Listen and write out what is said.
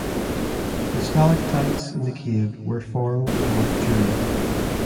The stalactites in the cave were formed in White Jura.